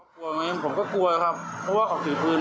กลัวไหมผมก็กลัวครับเพราะว่าออกถือปืน